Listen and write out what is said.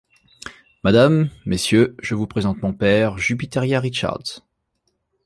Madame, Messieurs, je vous présente mon père, Jupitéria Richards.